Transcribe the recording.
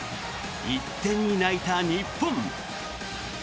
１点に泣いた日本。